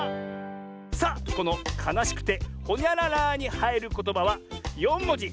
さあこのかなしくて「ほにゃらら」にはいることばは４もじ。